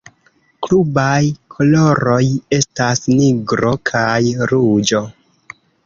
Klubaj koloroj estas nigro kaj ruĝo.